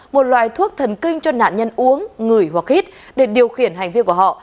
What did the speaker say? một loài thuốc thần kinh cho nạn nhân uống ngửi hoặc hít để điều khiển hành vi của họ